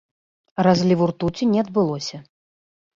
Разліву ртуці не адбылося.